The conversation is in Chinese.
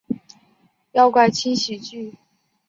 妖怪轻喜剧！